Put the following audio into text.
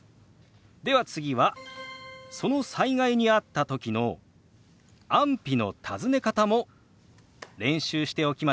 では次はその災害にあったときの安否の尋ね方も練習しておきましょう。